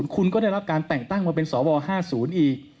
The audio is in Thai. คุณก็ได้รับการแต่งตั้งมาเป็นสว๕๐อีก